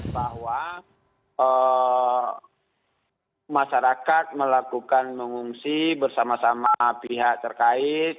bahwa masyarakat melakukan mengungsi bersama sama pihak terkait